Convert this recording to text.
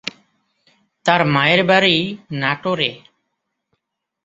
তার মায়ের বাড়ি নাটোরে।